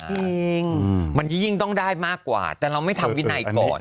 จริงมันยิ่งต้องได้มากกว่าแต่เราไม่ทำวินัยก่อน